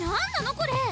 これ！